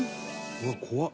うわっ怖っ！